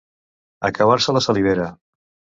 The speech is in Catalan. Acabar-se la salivera.